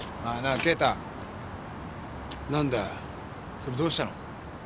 それどうしたの？